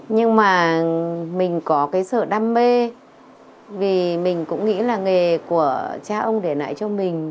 nhưng mà mình có cái sự đam mê vì mình cũng nghĩ là nghề của cha ông để lại cho mình